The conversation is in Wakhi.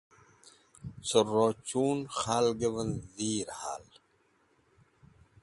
Cẽ rochun khalgvẽn dhir hal.